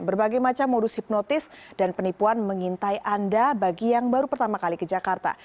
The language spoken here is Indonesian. berbagai macam modus hipnotis dan penipuan mengintai anda bagi yang baru pertama kali ke jakarta